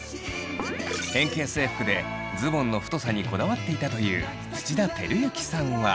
変形制服でズボンの太さにこだわっていたという土田晃之さんは。